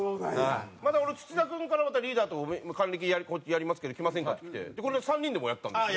また俺土田君から「リーダーと還暦やりますけど来ませんか？」ってきてこの間３人でもやったんですよ。